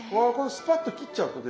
スパッと切っちゃうとね